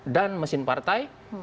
dan mesin partai